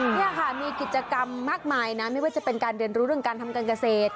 นี่ค่ะมีกิจกรรมมากมายนะไม่ว่าจะเป็นการเรียนรู้เรื่องการทำการเกษตร